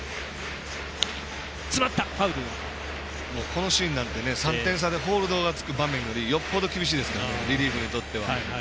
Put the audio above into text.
このシーンなんて３点差でホールドがつく場面よりよっぽど厳しいですからねリリーフにとっては。